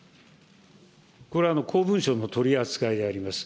これは公文書の取り扱いでございます。